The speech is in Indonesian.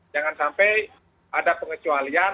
jangan sampai ada pengecualian